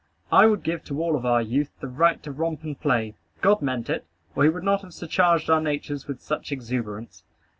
I would give to all of our youth the right to romp and play. God meant it, or he would not have surcharged our natures with such exuberance.